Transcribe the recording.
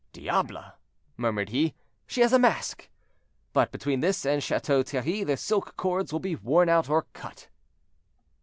"Diable!" murmured he, "she has a mask. But between this and Chateau Thierry the silk cords will be worn out or cut."